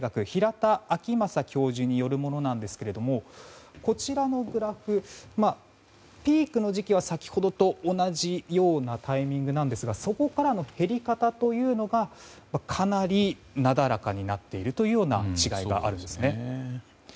平田晃正教授によるものですがこちらのグラフ、ピークの時期は先ほどと同じようなタイミングなんですがそこからの減り方というのがかなり、なだらかになっているというような違いがあるんです。